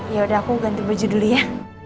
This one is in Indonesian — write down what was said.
ya udah aku ganti baju dulu ya